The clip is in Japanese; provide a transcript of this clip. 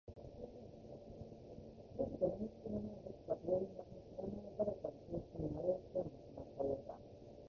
僕と面識のない、どこか遠い街の知らない誰かの葬式に迷い込んでしまったようだ。